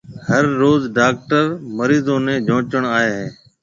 ھر روز ڊاڪٽر داخل مريضون نيَ جونچڻ آئيَ ھيََََ